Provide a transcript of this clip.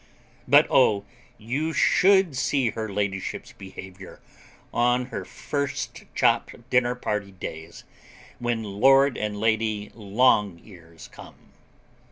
But oh, you should see her ladyship's behaviour on her first chop dinner party days, when Lord and Lady Longears come!